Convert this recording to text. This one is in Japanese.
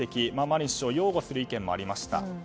マリン首相を擁護する意見もありました。